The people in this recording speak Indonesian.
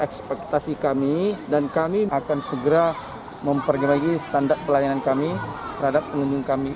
ekspektasi kami dan kami akan segera memperbaiki lagi standar pelayanan kami terhadap pengunjung kami